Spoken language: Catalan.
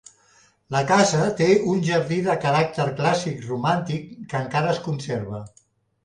La casa té un jardí de caràcter clàssic-romàntic que encara es conserva.